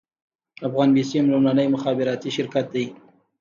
افغان بیسیم لومړنی مخابراتي شرکت دی